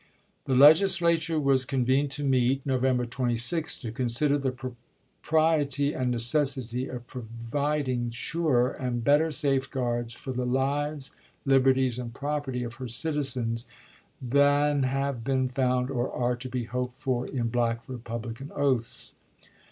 The Legislature was i860. convened to meet, November 26, to consider " the propriety and necessity of providing surer and bet ter safeguards for the lives, liberties, and property of her citizens than have been found or are to be hoped for in Black Republican oaths."